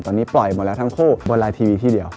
ตอนนี้ปล่อยหมดแล้วทั้งคู่บนไลน์ทีวีที่เดียว